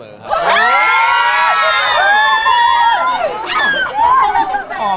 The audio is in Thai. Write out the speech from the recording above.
พี่หอมเป็นแฟนสำหรับผมเสมอ